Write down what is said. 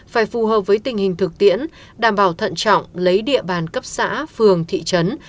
phải phù hợp với tình hình thực tiễn đảm bảo thận trọng lấy địa bàn cấp xã phường thị trấn